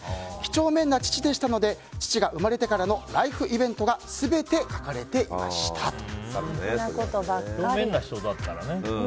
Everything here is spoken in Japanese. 几帳面な父でしたので父が生まれてからのライフイベントが全て書かれていましたと。